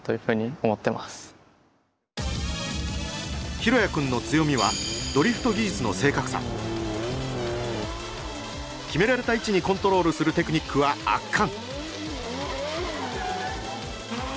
大也君の強みは決められた位置にコントロールするテクニックは圧巻！